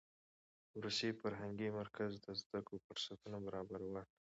روسي فرهنګي مرکز د زده کړو فرصتونه برابرول.